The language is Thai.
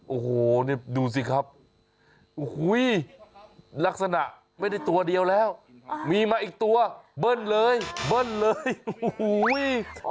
โอ้โหนี่ดูสิครับโอ้โหลักษณะไม่ได้ตัวเดียวแล้วมีมาอีกตัวเบิ้ลเลยเบิ้ลเลยโอ้โห